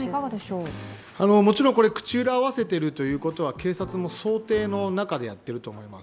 もちろん口裏を合わせているということは警察も想定の中でやっていると思います。